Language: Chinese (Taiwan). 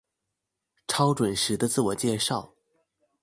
超準時的自我介紹